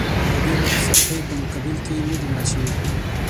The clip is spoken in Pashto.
د ډېرو سختیو په مقابل کې نه دي مات شوي.